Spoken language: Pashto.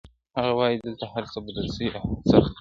هغه وايي دلته هر څه بدل سوي او سخت دي,